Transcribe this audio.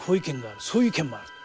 「そういう意見もある」。